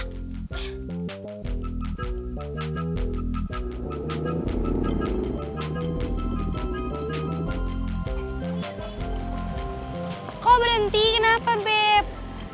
kau berhenti kenapa beb